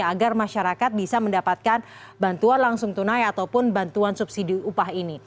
agar masyarakat bisa mendapatkan bantuan langsung tunai ataupun bantuan subsidi upah ini